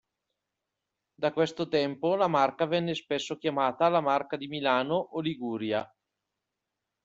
Da questo tempo la marca venne spesso chiamata la Marca di Milano o Liguria.